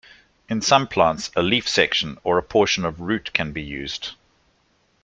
In some plants, a leaf section or a portion of root can be used.